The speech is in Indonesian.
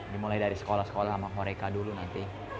dimulai dari sekolah sekolah sama mereka dulu nanti